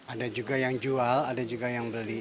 ada juga yang jual ada juga yang beli